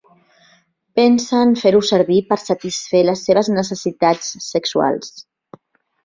Pensen fer-ho servir per satisfer les seves necessitats sexuals.